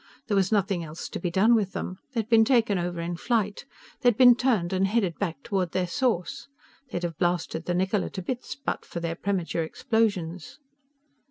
There was nothing else to be done with them. They'd been taken over in flight. They'd been turned and headed back toward their source. They'd have blasted the Niccola to bits but for their premature explosions.